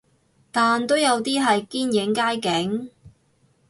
但都有啲係堅影街景